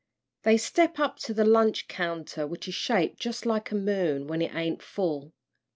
They step up to the lunch counter, which is shaped jus' like a moon when it ain't full.